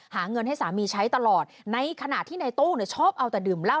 หาเงินให้สามีใช้ตลอดในขณะที่ในตู้เนี่ยชอบเอาแต่ดื่มเหล้า